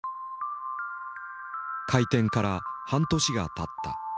開店から半年がたった。